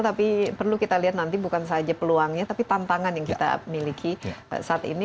tapi perlu kita lihat nanti bukan saja peluangnya tapi tantangan yang kita miliki saat ini